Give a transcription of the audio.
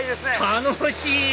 楽しい！